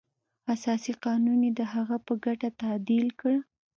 اساسي قانون یې د هغه په ګټه تعدیل کړ.